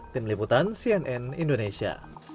tim liputan cnn indonesia